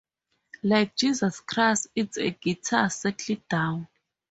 Like 'Jesus Christ it's a guitar, settle down.